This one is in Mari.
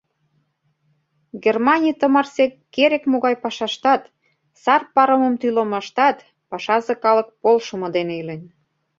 Германий тымарсек керек-могай пашаштат, сар парымым тӱлымаштат пашазе калык полшымо дене илен.